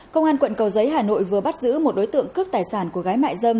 công an quận cầu giấy hà nội vừa bắt giữ một đối tượng cướp tài sản của gái mại dâm